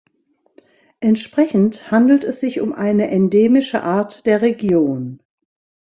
Entsprechend handelt es sich um eine endemische Art der Region.